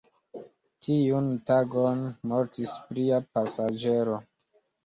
Tiun tagon mortis plia pasaĝero.